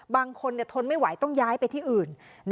ทนไม่ไหวต้องย้ายไปที่อื่น